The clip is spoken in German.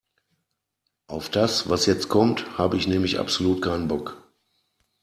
Auf das, was jetzt kommt, habe ich nämlich absolut keinen Bock.